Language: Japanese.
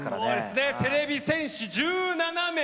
てれび戦士１７名！